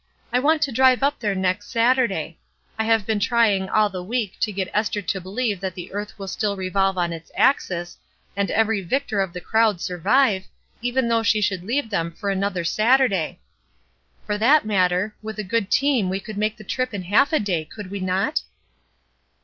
I want to drive up there next Saturday. 192 ESTER RIED'S NAMESAKE I have been trying all the week to get Esther to believe that the earth will still revolve on its axis, and every Victor of the crowd survive, even though she should leave them for another Saturday. For that matter, with a good team we could make the trip in half a day, could we not?"